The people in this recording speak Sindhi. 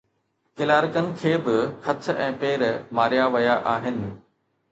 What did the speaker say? ڪلارڪن کي به هٿ ۽ پير ماريا ويا آهن.